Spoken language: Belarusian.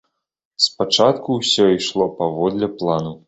Спачатку ўсё ішло паводле плану.